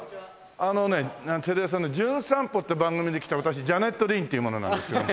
あのねテレ朝の『じゅん散歩』って番組で来た私ジャネット・リンっていう者なんですけど。